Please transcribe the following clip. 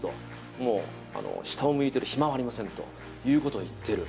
もう下を向いてる暇はありませんということを言ってる。